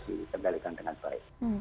dikembalikan dengan baik